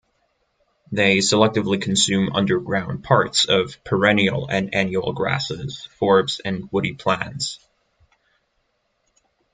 They selectively consume underground parts of perennial and annual grasses, forbs, and woody plants.